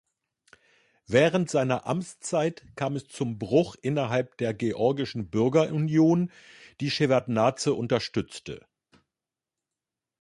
Während seiner Amtszeit kam es zum Bruch innerhalb der Georgischen Bürgerunion, die Schewardnadse unterstützte.